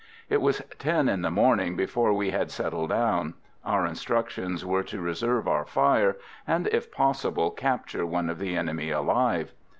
It was ten in the morning before we had settled down. Our instructions were to reserve our fire, and, if possible, capture one of the enemy alive.